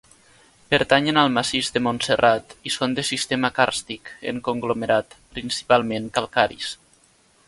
Pertanyen al massís de Montserrat i són de sistema càrstic, en conglomerat, principalment calcaris.